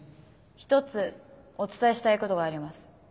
一つお伝えしたいことがあります。